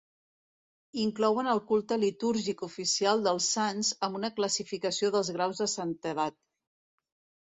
Inclouen el culte litúrgic oficial dels sants amb una classificació dels graus de santedat.